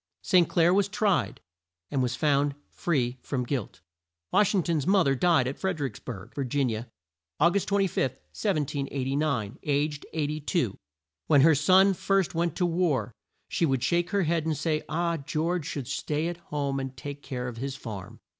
St. Clair was tried, and was found free from guilt. Wash ing ton's mo ther died at Fred er icks burg, Vir gin i a, Au gust 25, 1789, aged 82. When her son first went to war, she would shake her head and say, "Ah, George should stay at home and take care of his farm."